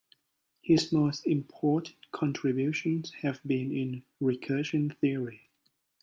His most important contributions have been in recursion theory.